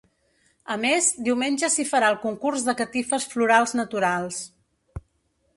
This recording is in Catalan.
A més, diumenge s’hi farà el concurs de catifes florals naturals.